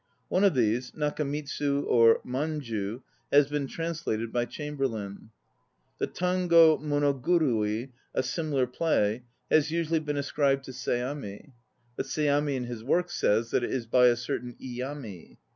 One of these, Nakamitsu or Manju, has been translated by Chamberlain. The Tango .Monogurui, a similar play, has usually been ascribed to Seami, but Seami in his Works says that it is by a certain I ami.